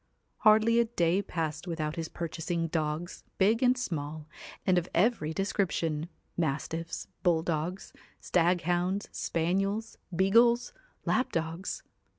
Hardly a day passed without his purchasing dogs, big and small, and of every description, mastiifs, bull dogs, staghounds, spaniels, beagles, lap dogs.